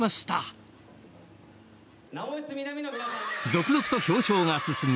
続々と表彰が進み